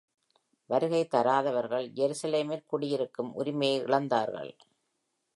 வருகை தராதவர்கள் ஜெருசலேமில் குடியிருக்கும் உரிமையை இழந்தார்கள்.